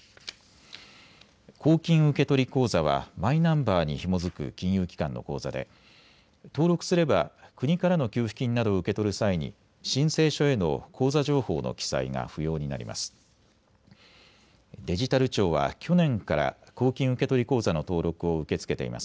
公金受取口座はマイナンバーにひも付く金融機関の口座で登録すれば国からの給付金などを受け取る際に申請書への口座情報の記載が不要になります。